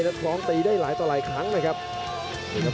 นักร้องตีได้หลายต่อหลายครั้งนะครับ